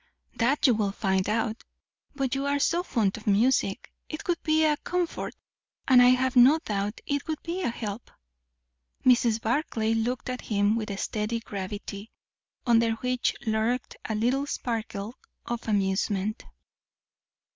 "That you would find out. But you are so fond of music it would be a comfort, and I have no doubt it would be a help." Mrs. Barclay looked at him with a steady gravity, under which lurked a little sparkle of amusement.